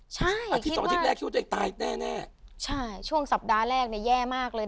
ใช่อาทิตย์แรกคิดว่าตัวเองตายแน่แน่ใช่ช่วงสัปดาห์แรกเนี่ยแย่มากเลย